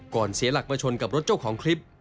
เสียหลักมาชนกับรถเจ้าของคลิป